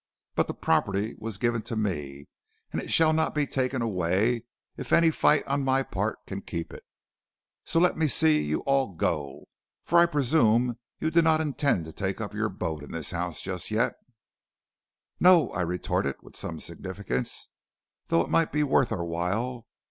But the property was given to me and it shall not be taken away if any fight on my part can keep it. So let me see you all go, for I presume you do not intend to take up your abode in this house just yet.' "'No,' I retorted with some significance, 'though it might be worth our while.